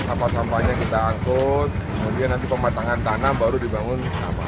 sampah sampahnya kita angkut kemudian nanti pematangan tanah baru dibangun